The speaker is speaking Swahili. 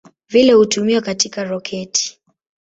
Vile hutumiwa katika roketi.